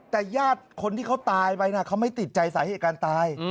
แต่ญาติคนที่เขาตายไปนะเขาไม่ติดใจสาเหตุการณ์ตาย